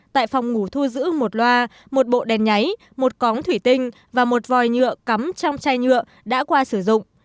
tại phòng ngủ thu giữ một loa một bộ đèn nháy một cóng thủy tinh và một vòi nhựa cắm trong chai nhựa đã qua sử dụng